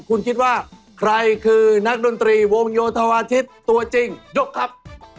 คุณคิดว่าใครคือนักดนตรีวงโยธวาทิศตัวจริงยกครับ